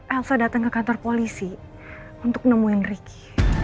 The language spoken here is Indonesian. elsa datang ke kantor polisi untuk nemuin ricky